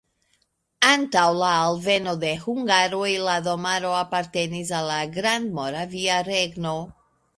Antaŭ la alveno de hungaroj la domaro apartenis al la Grandmoravia Regno.